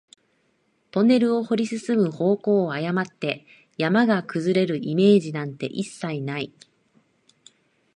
トンネルを掘り進む方向を誤って、山が崩れるイメージなんて一切ない